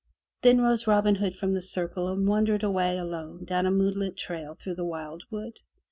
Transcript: Then rose Robin Hood from the circle and wandered away alone down a moonlit trail through the wildwood.